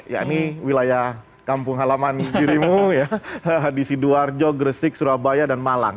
yakni wilayah kampung halaman dirimu di sidoarjo gresik surabaya dan malang